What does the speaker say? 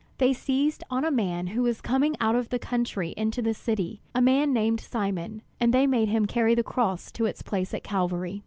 They seized on a man who was coming out of the country into the city, a man named Simon, and they made him carry the cross to its place at Calvary.